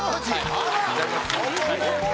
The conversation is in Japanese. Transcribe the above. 「あら！」